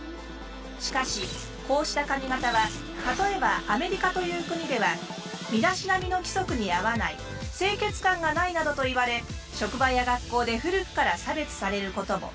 しかしこうした髪型は例えばアメリカという国では身だしなみの規則に合わない清潔感がないなどと言われ職場や学校で古くから差別されることも。